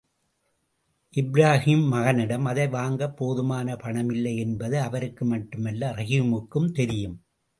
இப்ராஹீம் மகனிடம் அதை வாங்கப் போதுமான பணமில்லை, என்பது அவருக்கு மட்டுமல்ல ரஹீமுக்கும் தெரியும்.